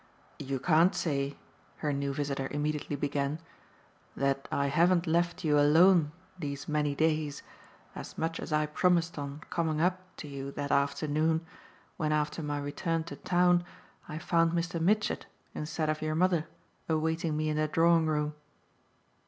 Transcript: "You can't say," her new visitor immediately began, "that I haven't left you alone, these many days, as much as I promised on coming up to you that afternoon when after my return to town I found Mr. Mitchett instead of your mother awaiting me in the drawing room."